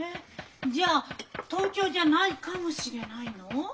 じゃ東京じゃないかもしれないの？